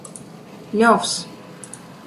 Ļovs.